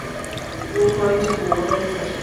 El mismo año se inaugura la estación.